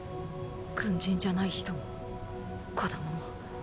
軍人じゃない人も子供も。